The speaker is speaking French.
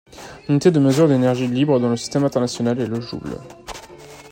L'unité de mesure de l'énergie libre dans le Système international est le joule.